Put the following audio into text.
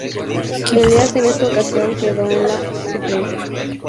Elías en esta ocasión quedó en la suplencia.